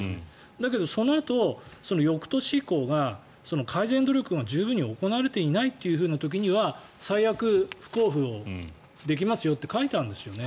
だけど、そのあと翌年以降が改善努力が十分に行われていない時には最悪、不交付をできますよと書いてあるんですよね。